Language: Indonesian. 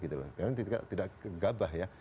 tapi kita tidak menggabah ya